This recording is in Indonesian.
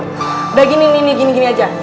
udah gini ini gini gini aja